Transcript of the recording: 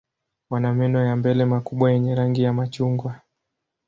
Wana meno ya mbele makubwa yenye rangi ya machungwa.